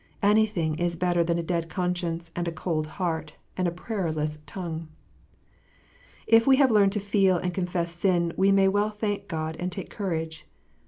Anything is better than a dead conscience, and a cold heart, and a prayerless tongue ! If we have learned to feel and confess sin, we may well thank God and take courage.